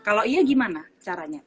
kalau iya gimana caranya